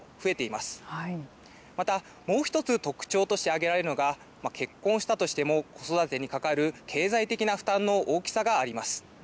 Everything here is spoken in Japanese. また、もう一つ特徴として挙げられるのが、結婚したとしても、子育てにかかる経済的な負担の大きさがあります。